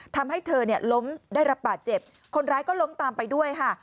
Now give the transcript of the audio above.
ทำให้เธอเนี่ยล้มได้รับบาดเจ็บคนร้ายก็ล้มตามไปด้วยค่ะ